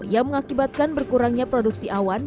yang mengakibatkan berkurangnya produksi awan